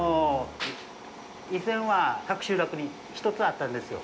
以前は各集落に一つはあったんですよ。